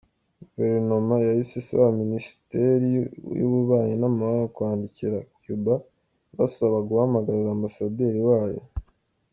Guverinoma yahise isaba Minisiteri y’ububanyi n’amahanga kwandikira Cuba ibasaba guhamagaza Ambasaderi wayo.